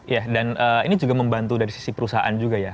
ya dan ini juga membantu dari sisi perusahaan juga ya